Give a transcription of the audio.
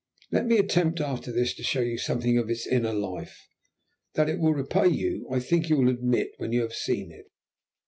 Let me attempt after this to show you something of its inner life. That it will repay you I think you will admit when you have seen it."